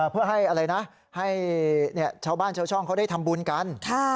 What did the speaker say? เพื่อให้ชาวบ้านชาวช่องเขาได้ทำบุญกัน